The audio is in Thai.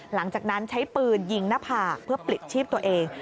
หลังจากนั้นใช้ปืนยิงหน้าผากเพื่อปลิดชีพตัวเอง